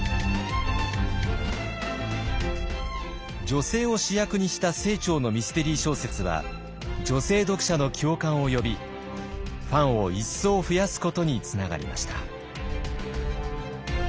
女性を主役にした清張のミステリー小説は女性読者の共感を呼びファンを一層増やすことにつながりました。